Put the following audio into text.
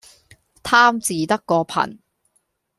貪字得個貧